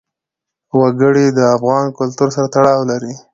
وګړي د افغان کلتور سره تړاو لري.